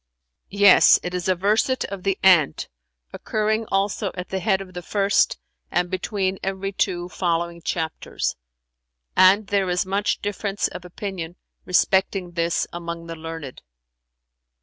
"Yes; it is a verset of 'The Ant'[FN#366] occurring also at the head of the first and between every two following chapters; and there is much difference of opinion, respecting this, among the learned."